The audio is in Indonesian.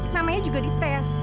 namanya juga dites